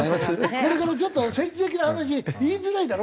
これからちょっと政治的な話言いづらいだろ？